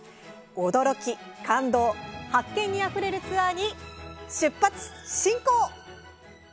驚き、感動、発見にあふれるツアーに出発進行！